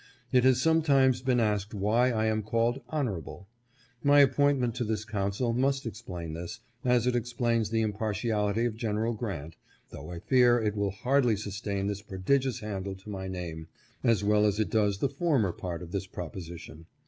It has sometimes been asked why I am called " Honor able." My appointment to this council must explain this, as it explains the impartiality of Gen. Grant, though I fear it will hardly sustain this prodigious handle to my name, as well as it does the former part of this proposi tion.